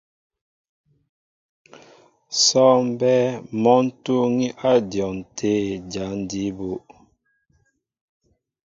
Sɔ́ɔŋ mbɛ́ɛ́ mɔ́ ń túúŋí á dyɔn tə̂ jǎn jí bú.